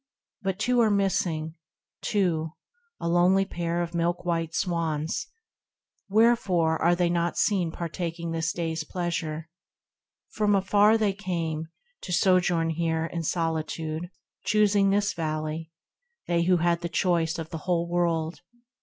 THE RECLUSE 17 But two are missing, two, a lonely pair Of milk white Swans ; wherefore are they not seen Partaking this day's pleasure? From afar They came, to sojourn here in solitude, Choosing this Valley, they who had the choice Of the whole world.